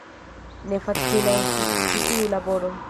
Ne facila estis ĉi tiu laboro.